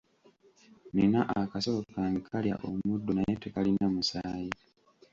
Nina akasolo kange kalya omuddo naye tekalina musaayi.